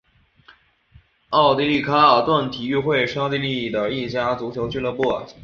奥地利卡尔顿体育会是奥地利的一家足球俱乐部。